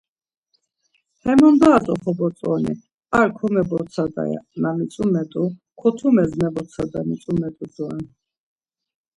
Hemindoras oxobotzoni Ar komebotsada na mitzumet̆u, Kotumes mebotsada mitzumet̆u doren.